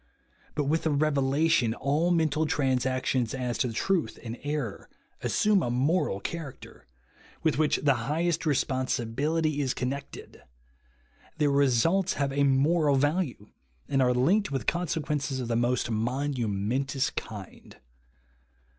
But, with a revelation, all mental transactions as to truth and error assume a moral character, with which the highest responsibility is connected ; their results have a moral value, and are linked with consequences of the most momentous kind.